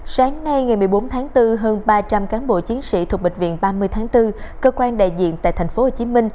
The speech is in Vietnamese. sáng nay ngày một mươi bốn tháng bốn hơn ba trăm linh cán bộ chiến sĩ thuộc bệnh viện ba mươi tháng bốn cơ quan đại diện tại tp hcm